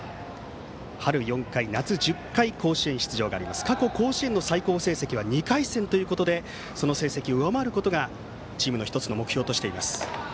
春４回、夏１０回甲子園出場がありますが過去、甲子園の最高成績は２回戦ということでその成績を上回ることがチームの１つの目標としています。